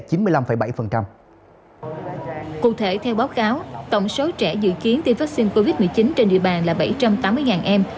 cụ thể theo báo cáo tổng số trẻ dự kiến tiêm vaccine covid một mươi chín trên địa bàn là bảy trăm tám mươi em